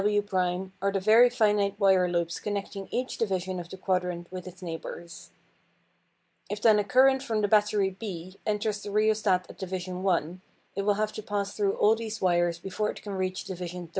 WW' are the very fine wire loops connecting each division of the quadrant with its neighbours. If then a current from the battery B enters the rheostat at division 1 it will have to pass through all these wires before it can reach division 13.